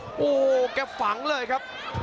โอ้โหแกฝังเลยครับ